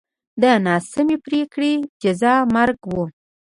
د ناسمې پرېکړې جزا مرګ و.